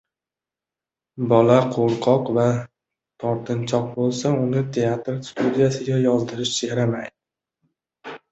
Bola qo‘rqoq va tortinchoq bo‘lsa, uni teatr studiyasiga yozdirish yaramaydi.